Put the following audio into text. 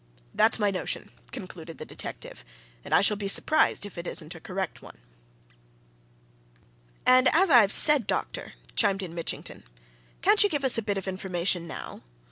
That's my notion," concluded the detective. "And I shall be surprised if it isn't a correct one!" "And, as I've said, doctor," chimed in Mitchington, "can't you give us a bit of information, now?